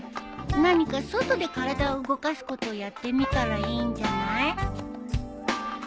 何か外で体を動かすことをやってみたらいいんじゃない？